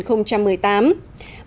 đến hội nghị chung mương viii